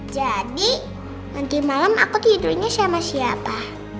jadi nanti malam aku tidurnya sama siapa